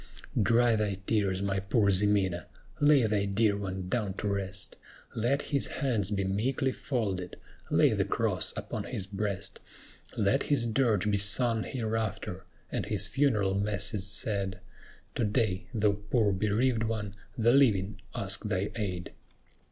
Dry thy tears, my poor Ximena; lay thy dear one down to rest; Let his hands be meekly folded, lay the cross upon his breast; Let his dirge be sung hereafter, and his funeral masses said; To day, thou poor bereaved one, the living ask thy aid.